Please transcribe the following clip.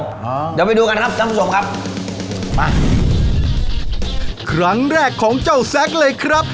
เดี๋ยวไปดูกันครับท่านผู้ชมครับมาครั้งแรกของเจ้าแซคเลยครับ